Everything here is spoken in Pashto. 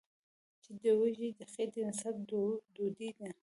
چې د وږې خېټې مذهب ډوډۍ ده ـ